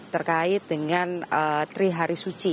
terkait dengan trihari suci